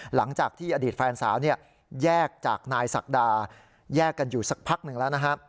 หลังจากที่อดีตแฟนสาวแยกจากนายศักดาแยกกันอยู่สักพักหนึ่งแล้วนะฮะ